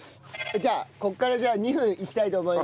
じゃあここから２分いきたいと思います。